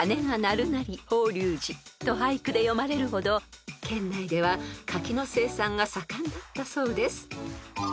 ［と俳句で詠まれるほど県内では柿の生産が盛んだったそうです］